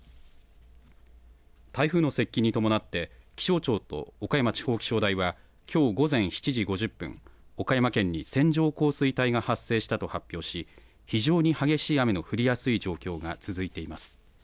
台風の接近に伴って、気象庁と岡山地方気象台は、きょう午前７時５０分、岡山県に線状降水帯が発生したと発表し、非常に激しい雨の降りやすい状況が続いています。